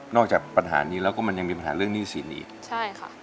จากปัญหานี้แล้วก็มันยังมีปัญหาเรื่องหนี้สินอีกใช่ค่ะ